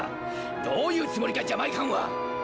どういうつもりかジャマイカンは！